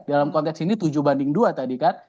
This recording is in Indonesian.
dalam konteks ini tujuh banding dua tadi kan